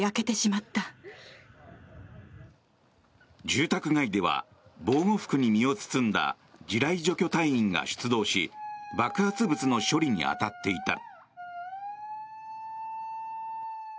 住宅街では防護服に身を包んだ地雷除去隊員が出動し爆発物の処理に当たっていた。